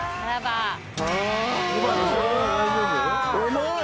重い。